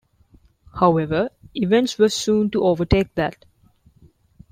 However, events were soon to overtake that.